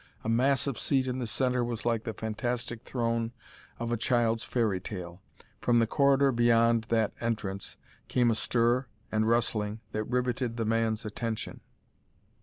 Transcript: A massive seat in the center was like the fantastic throne of a child's fairy tale. From the corridor beyond that entrance came a stir and rustling that rivetted the man's attention.